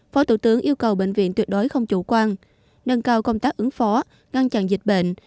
phó thủ tướng yêu cầu bệnh viện tuyệt đối không chủ quan nâng cao công tác ứng phó ngăn chặn dịch bệnh